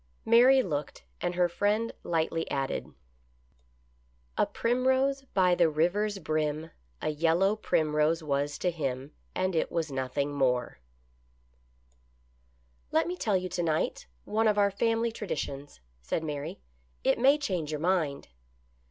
Mary looked, and her friend lightly added :"' A primrose by the river's brim A yellow primrose was to him. And it was nothing more.' '' io6 THE pilgrims' EASTER LILY. " Let me tell you to night one of our family tradi tions," said Mary. " It may change your mind."